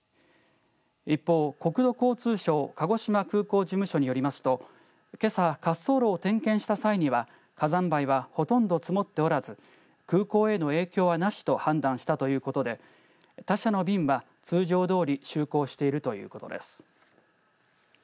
一方、国土交通省鹿児島空港事務所によりますとけさ、滑走路を点検した際には火山灰はほとんど積もっておらず空港への影響はなしと判断したということで他社の便は通常どおり就航しているということです。